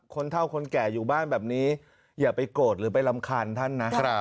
คนเท่าคนแก่อยู่บ้านแบบนี้อย่าไปโกรธหรือไปรำคาญท่านนะ